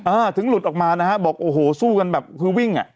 อ่าถึงหลุดออกมานะฮะบอกโอ้โหสู้กันแบบคือวิ่งอ่ะ